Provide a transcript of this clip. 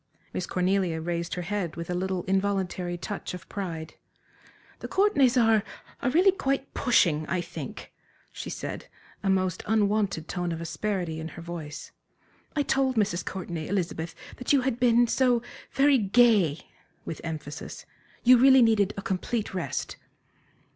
Miss Cornelia raised her head with a little, involuntary touch of pride. "The Courtenays are are really quite pushing, I think," she said, a most unwonted tone of asperity in her voice. "I told Mrs. Courtenay, Elizabeth, that you had been so very gay" with emphasis "you really needed a complete rest."